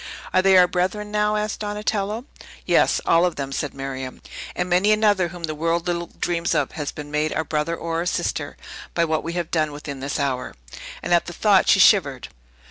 "Are they our brethren, now?" asked Donatello. "Yes; all of them," said Miriam, "and many another, whom the world little dreams of, has been made our brother or our sister, by what we have done within this hour!" And at the thought she shivered.